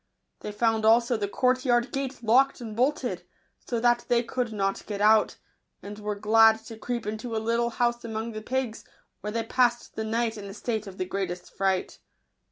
They found also the courtyard gate locked and bolted, so that they could not get out, and were glad to creep into a little house among the pigs, where they passed the night in a state of the greatest fright.